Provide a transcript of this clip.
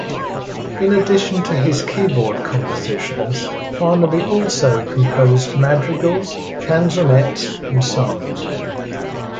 In addition to his keyboard compositions, Farnaby also composed madrigals, canzonets and psalms.